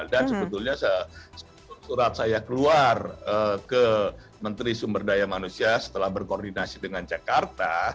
dan sebetulnya sebetulnya surat saya keluar ke menteri sumber daya manusia setelah berkoordinasi dengan jakarta